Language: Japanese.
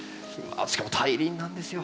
しかも大輪なんですよ。